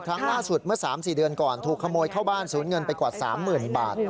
ครั้งล่าสุดเมื่อ๓๔เดือนก่อนถูกขโมยเข้าบ้านสูญเงินไปกว่า๓๐๐๐บาท